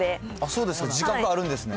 そうですか？